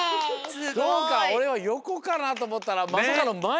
すごい！おれはよこかな？とおもったらまさかのまえ。